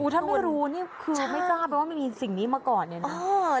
ถ้าไม่รู้คือไม่กล้าไปว่ามีสิ่งนี้มาก่อนเนี่ยนะ